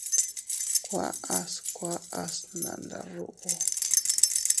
Kuaʼas kuaʼas nnanda ruú.